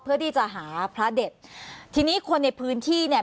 เพื่อที่จะหาพระเด็ดทีนี้คนในพื้นที่เนี่ย